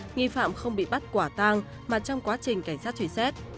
nghi phạm không bị bắt quả tang mà trong quá trình cảnh sát truy xét